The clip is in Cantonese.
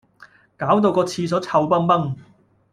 攪到個廁所臭崩崩